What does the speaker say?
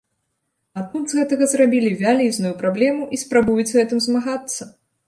А тут з гэтага зрабілі вялізную праблему і спрабуюць з гэтым змагацца!